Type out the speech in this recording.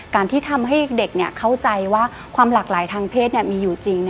การที่ทำให้เด็กเข้าใจว่าความหลากหลายทางเพศมีอยู่จริง